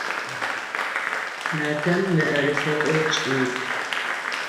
Матэм мыӏэрысэ тӏокӏ илъ.